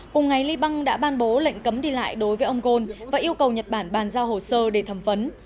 cùng ngày liban đã ban bố lệnh cấm đi lại đối với ông ghosn và yêu cầu nhật bản bàn giao hồ sơ để thẩm vấn